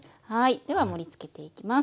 では盛りつけていきます。